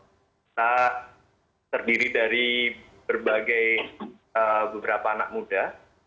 kita terdiri dari berbagai beberapa anak muda